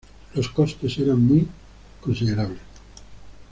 Los costos eran muy considerables.